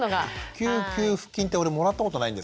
育休給付金って俺もらったことないんですけど。